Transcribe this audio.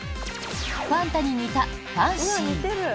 ファンタに似た、ファンシー。